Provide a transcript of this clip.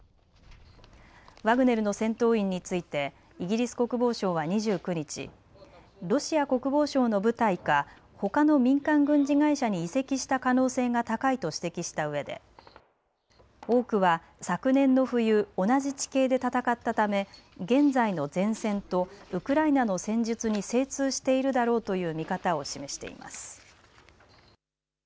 ワグネルの戦闘員についてイギリス国防省は２９日、ロシア国防省の部隊かほかの民間軍事会社に移籍した可能性が高いと指摘したうえで多くは昨年の冬、同じ地形で戦ったため現在の前線とウクライナの戦術に精通しているだろうという見方を示しています。